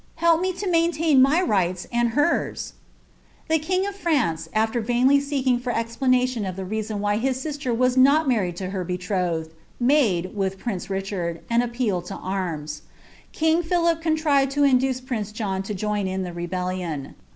Help me lo maintain my rights and e king of France, al\er vainly aeeking for explanation of the reason f bis sister was not married to her betrothed, made, with prince 1 appeal ti> arms. Kmg Philip contrived lo induce prince John lo join in the rebellion.